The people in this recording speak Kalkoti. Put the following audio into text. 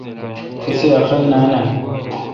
تسی عقل نان اؘ۔